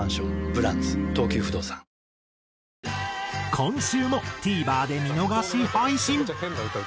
今週もＴＶｅｒで見逃し配信。